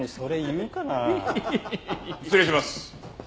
失礼します。